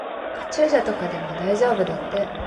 カチューシャとかでも大丈夫だって。